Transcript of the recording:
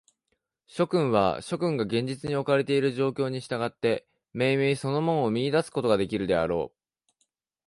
諸君は、諸君が現実におかれている状況に従って、めいめいその門を見出すことができるであろう。